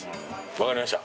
わかりました。